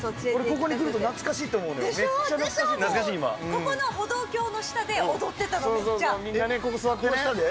俺、ここに来ると懐かしいとここの歩道橋の下で踊ってたみんなね、ここ座ってね。